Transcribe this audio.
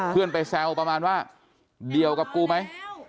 เพื่อนไปแซวประมาณว่าเดี่ยวกับกูไหม